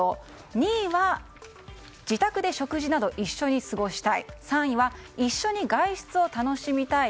２位は自宅で食事など一緒に過ごしたい３位は、一緒に外出を楽しみたい。